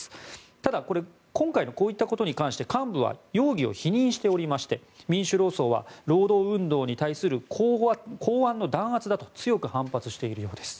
ただ、今回のこういったことに関して幹部は容疑を否認しておりまして民主労総は労働運動に対する公安の弾圧だと強く反発しているようです。